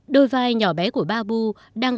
đôi vai nhỏ bé của babu đang gánh những con ngựa